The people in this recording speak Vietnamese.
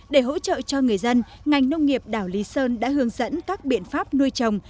để hỗ trợ cho người dân ngành nông nghiệp đảo lý sơn đã hướng dẫn các biện pháp nuôi trồng